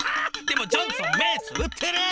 でもジョンソン目つぶってる！